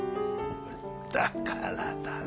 だからだね。